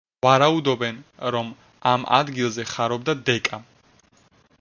ვარაუდობენ, რომ ამ ადგილზე ხარობდა დეკა.